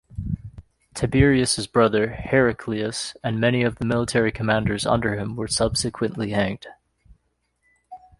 Tiberius's brother, Heraclius, and many of the military commanders under him were subsequently hanged.